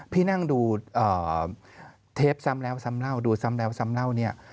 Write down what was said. พี่นั่งดูเทปซ้ำแล้วซ้ำเล่าดูซ้ำแล้วซ้ำเล่าเนี่ย